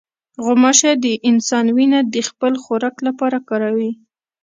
غوماشه د انسان وینه د خپل خوراک لپاره کاروي.